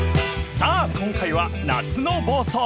［さあ今回は夏の房総］